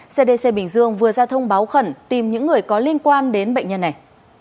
cdc bình dương vừa ra thông báo khẩn tìm những người có liên quan đến bệnh nhân này